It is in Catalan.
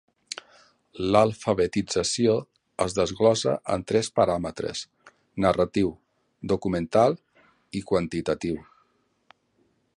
L'alfabetització es desglossa en tres paràmetres: narratiu, documental i quantitatiu.